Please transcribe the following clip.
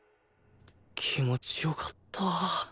気持ち良かった